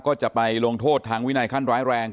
ก็จะไปลงโทษทางวินัยขั้นร้ายแรง